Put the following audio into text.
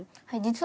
はい。